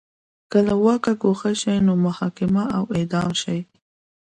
که له واکه ګوښه شي نو محاکمه او اعدام شي